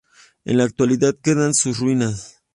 En la actualidad quedan sus ruinas.